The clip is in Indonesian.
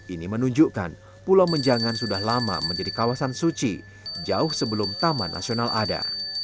ini menunjukkan pulau menjangan sudah lama menjadi kawasan suci jauh sebelum taman nasional ada